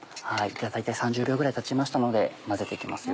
大体３０秒ぐらいたちましたので混ぜて行きますよ。